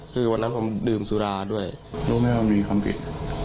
คือวันนั้นผมดื่มสุราด้วยรู้ไหมว่ามีความผิด